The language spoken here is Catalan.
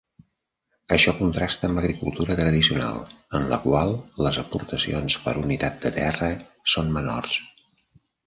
Això contrasta amb l'agricultura tradicional, en la qual les aportacions per unitat de terra són menors.